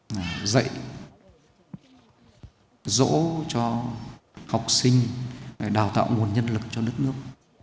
là dạy dỗ cho học sinh đào tạo nguồn nhân lực cho đất nước